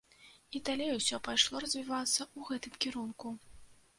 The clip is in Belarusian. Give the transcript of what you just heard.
І далей усё пайшло развівацца ў гэтым кірунку.